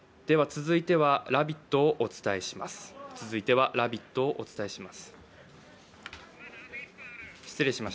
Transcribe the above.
続いては、「ラヴィット！」をお伝えします。